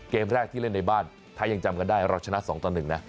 เกมแรกที่เล่นในบ้านถ้ายังจำกันได้เราชนะ๒ต่อ๑นะ